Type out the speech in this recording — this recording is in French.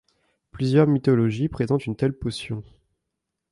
Plusieurs mythologies présentent une telle potion.